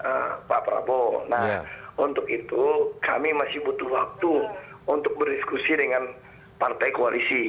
nah untuk itu kami masih butuh waktu untuk berdiskusi dengan partai koalisi